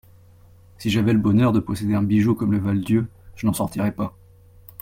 Si j'avais le bonheur de posséder un bijou comme le Val-Dieu, je n'en sortirais pas.